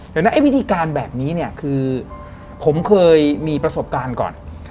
แต่วิธีการแบบนี้คือผมเคยมีประสบการณ์ก่อน